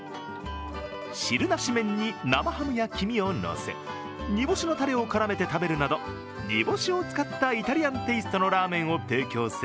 汁なし麺に生ハムや黄身を乗せ煮干しのたれを絡めて食べるなど煮干しを使ったイタリアンテイストのラーメンを提供する